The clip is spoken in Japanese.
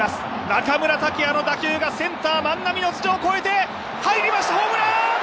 中村剛也の打球がセンター・万波の頭上を越えて入りました、ホームラン！